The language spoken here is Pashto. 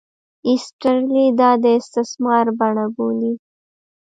ایسټرلي دا د استثمار بڼه بولي.